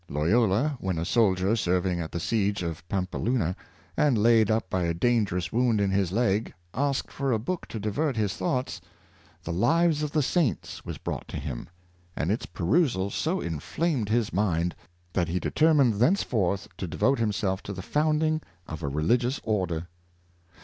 Loyola, when a soldier serving at the siege of Pampe luna, and laid up by a dangerous wound in his leg, asked for a book to divert his thoughts: the '' Lives of the Saints" was brought to him, and its perusal so in flamed his mind, that he determined thenceforth to de vote himself to the founding of a religious order.